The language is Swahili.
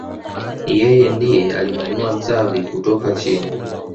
yeye ndiye alimwinua Xavi kutoka chini